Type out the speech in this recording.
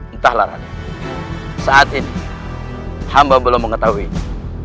entahlah raden saat ini hamba belum mengetahuinya